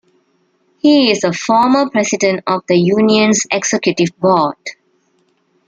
He is a former president of the union's executive board.